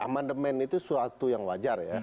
amandemen itu suatu yang wajar ya